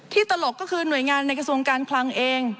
ตลกก็คือหน่วยงานในกระทรวงการคลังเอง